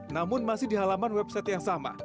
namun masih di halaman website yang sama